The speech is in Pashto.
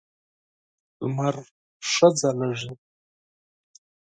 لمر ښه ځلېږي .